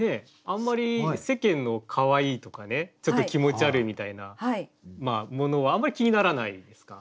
あんまり世間のかわいいとかねちょっと気持ち悪いみたいなものはあんまり気にならないですか？